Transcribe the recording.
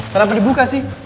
kenapa dibuka sih